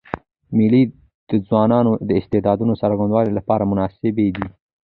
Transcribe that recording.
مېلې د ځوانانو د استعدادونو څرګندولو له پاره مناسبي دي.